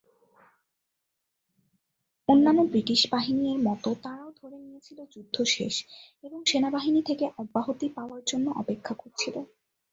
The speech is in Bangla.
অন্যান্য ব্রিটিশ বাহিনী এর মতো তারাও ধরে নিয়েছিল যুদ্ধ শেষ এবং সেনাবাহিনী থেকে অব্যাহতি পাওয়ার জন্য অপেক্ষা করছিল।